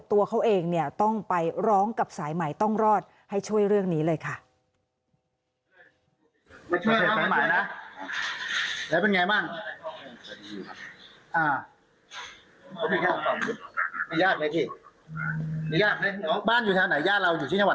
ตัวเขาเองเนี่ยต้องไปร้องกับสายใหม่ต้องรอดให้ช่วยเรื่องนี้เลยค่ะ